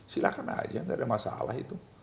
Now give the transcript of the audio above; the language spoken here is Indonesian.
silahkan aja gak ada masalah itu